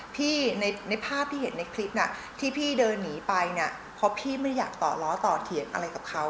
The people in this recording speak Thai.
พี่ในภาพที่เห็นในคลิปน่ะที่พี่เดินหนีไปเนี่ยเพราะพี่ไม่ได้อยากต่อล้อต่อเถียงอะไรกับเขา